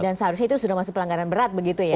dan seharusnya itu sudah masuk pelanggaran berat begitu ya